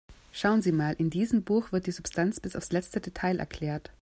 Schauen Sie mal, in diesem Buch wird die Substanz bis aufs letzte Detail erklärt.